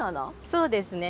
そうですね。